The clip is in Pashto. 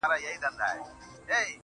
راځه د اوښکو تويول در زده کړم_